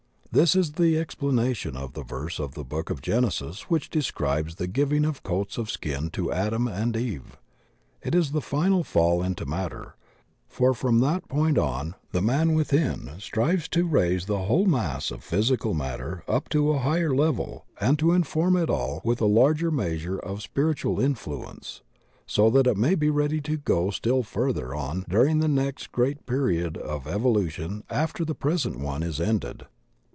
This is the explanation of the verse of the book of Genesis which describes the giving of coats of skin to Adam and Eve. It is the final fall into matter, for from that point on the man within strives to raise the whole mass of physical matter up to a higher level and to inform it aU with a larger measure of spiritual influence, so that it may be ready to go still further on during the next great period of evolution after the present one is ended.